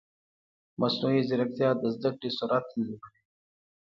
مصنوعي ځیرکتیا د زده کړې سرعت تنظیموي.